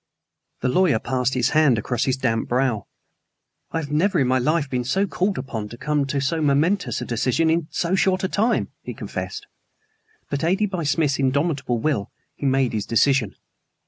The lawyer passed his hand across his damp brow. "I have never in my life been called upon to come to so momentous a decision in so short a time," he confessed. But, aided by Smith's indomitable will, he made his decision.